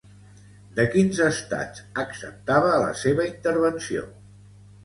De quins estats acceptava la seva intervenció?